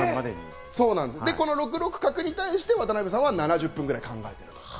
この６六角に対して渡辺さんは７０分ぐらい考えてる。